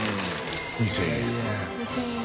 戸次）２０００円。